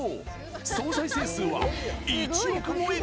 総再生数は、１億超え！